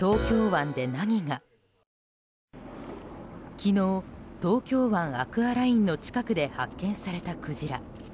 昨日、東京湾アクアラインの近くで発見されたクジラ。